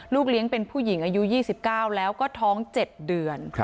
เลี้ยงเป็นผู้หญิงอายุ๒๙แล้วก็ท้อง๗เดือน